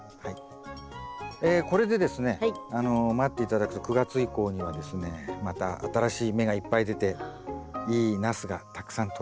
これでですね待って頂くと９月以降にはですねまた新しい芽がいっぱい出ていいナスがたくさんとれると思いますんで。